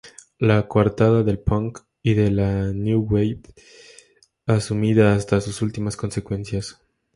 La coartada del Punk y de la New Wave asumida hasta sus últimas consecuencias.